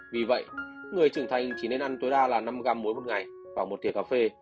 vì vậy người trưởng thành chỉ nên ăn tối đa là năm g muối mỗi ngày và một thịa cà phê